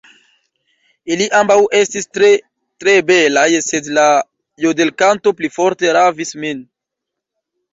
Ili ambaŭ estis tre, tre belaj, sed la jodelkanto pli forte ravis min.